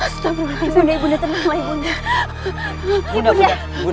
sudah berhati hati ibu nda tenanglah ibu nda